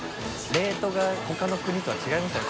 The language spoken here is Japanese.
レートが他の国とは違いますね